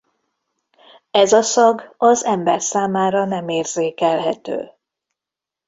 Ez a szag az ember számára nem érzékelhető.